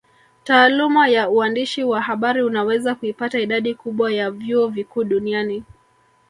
Taaluma ya uandishi wa habari unaweza kuipata idadi kubwa ya vyuo vikuu duniani